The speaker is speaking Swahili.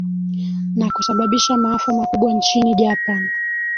na kusababisha maafa makubwa nchini japan